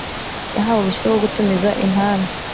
Yahawe uruhushya rwo gutumiza intambi